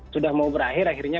sudah mau berakhir akhirnya